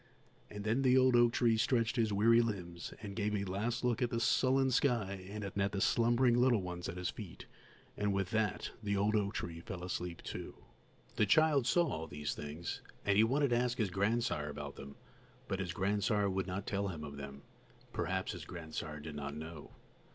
And then the old oak tree stretched his weary limbs and gave a last look at the sullen sky and at the slumbering little ones at his feet; and with that, the old oak tree fell asleep too. The child saw all these things, and he wanted to ask his grandsire about them, but his grandsire would not tell him of them; perhaps his grandsire did not know.